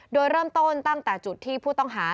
โดยเริ่มต้นตั้งแต่จุดที่ผู้ต้องหา